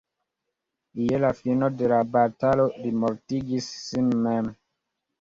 Je la fino de la batalo li mortigis sin mem.